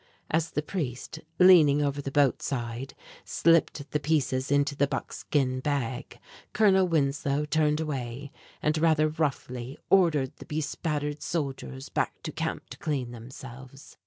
As the priest, leaning over the boat side, slipped the pieces into the buckskin bag, Colonel Winslow turned away, and rather roughly ordered the bespattered soldiers back to camp to clean themselves.